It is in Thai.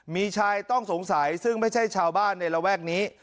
มีชายต้องสงสัยซึ่งไม่ใช่ชาวบ้านในระแวกนี้